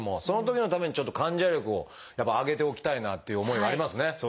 そのときのためにちょっと患者力をやっぱ上げておきたいなという思いがありますね。